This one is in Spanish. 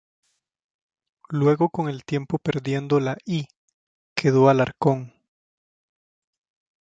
Luego con el tiempo perdiendo la "i", quedó Alarcón.